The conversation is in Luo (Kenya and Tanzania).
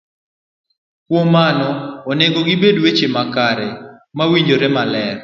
Kuom mano, onego gibed weche makare, mawinjore maler,